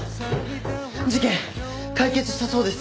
事件解決したそうです。